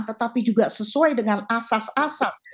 tetapi juga sesuai dengan asas asas